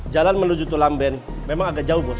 jalan menuju tulamben memang agak jauh bos